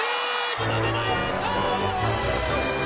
２度目の優勝！